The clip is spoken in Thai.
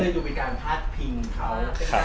มันก็เลยอยู่กับการพาดพิงเขา